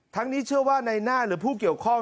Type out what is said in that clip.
นี้เชื่อว่าในหน้าหรือผู้เกี่ยวข้อง